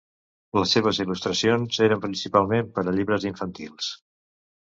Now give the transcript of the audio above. Les seves il·lustracions eren principalment per a llibres infantils.